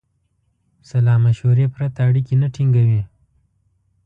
سلامشورې پرته اړیکې نه ټینګوي.